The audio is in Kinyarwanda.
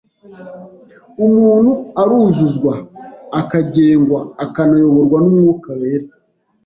umuntu aruzuzwa, akagengwa, akanayoborwa n'Umwuka wera.